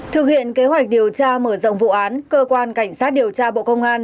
thực hiện kế hoạch điều tra mở rộng vụ án cơ quan cảnh sát điều tra bộ công an